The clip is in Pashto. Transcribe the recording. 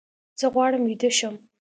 زه غواړم ویده شم